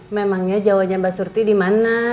memangnya jawanya mbak surti di mana